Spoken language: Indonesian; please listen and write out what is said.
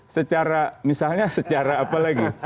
secara misalnya secara apa lagi